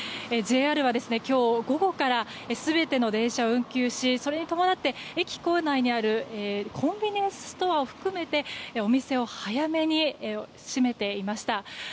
ＪＲは今日、午後から全ての電車を運休しそれに伴って、駅構内にあるコンビニエンスストアを含めてお店を早めに閉めていました。